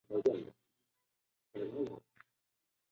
民主共和党的对立政党是联邦党。